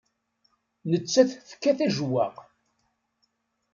Nettat tekkat ajewwaq.